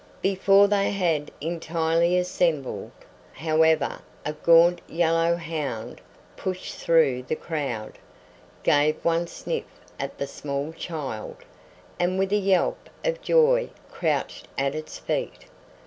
Before they had entirely assembled, however, a gaunt yellow hound pushed through the crowd, gave one sniff at the small child, and with a yelp of joy crouched at its feet.